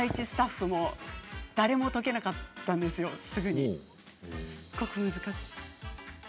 スタッフも誰も解けなかったんですよ